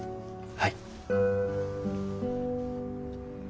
はい。